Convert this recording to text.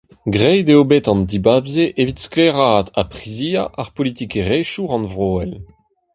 Graet eo bet an dibab-se evit sklaeraat ha priziañ ar politikerezhioù rannvroel.